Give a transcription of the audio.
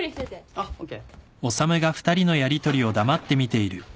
あっＯＫ。